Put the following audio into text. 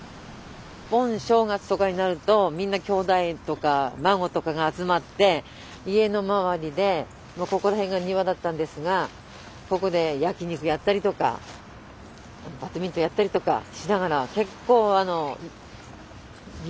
盆正月とかになるとみんなきょうだいとか孫とかが集まって家の周りでここら辺が庭だったんですがここで焼き肉やったりとかバドミントンやったりとかしながら結構有名なにぎやかなうちだった。